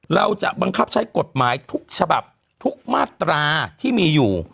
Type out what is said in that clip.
เราจะบังคับใช้กฎหมายทุกฉบับทุกมาตราที่มีอยู่